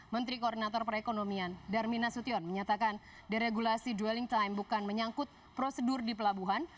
menteri koordinator perekonomian darmin nasution menyatakan deregulasi dwelling time bukan menyangkut prosedur di pelabuhan